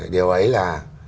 điều ấy là